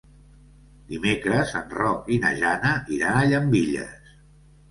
Dimecres en Roc i na Jana iran a Llambilles.